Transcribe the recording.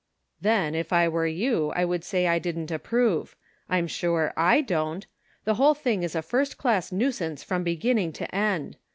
" Then if I were you I would say I didn't approve. I'm sure I don't. The whole thing is a first class nuisance from beginning to end.